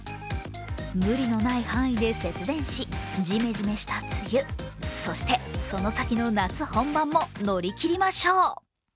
無理のない範囲で節電しジメジメした梅雨そして、その先の夏本番も乗り切りましょう。